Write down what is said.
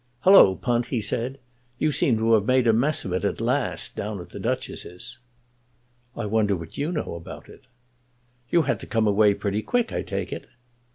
"Halloa, Punt!" he said, "you seem to have made a mess of it at last down at the Duchess's." "I wonder what you know about it." "You had to come away pretty quick, I take it."